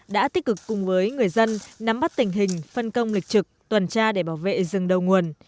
đã tích cực cùng với người dân nắm bắt tình hình phân công lịch trực tuần tra để bảo vệ rừng đầu nguồn